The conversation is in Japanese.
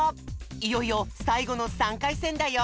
いよいよさいごの３かいせんだよ。